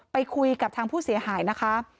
ไปคุยกับทางผู้เสียหายนะคะ